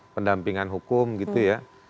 pendampingan hukum gitu ya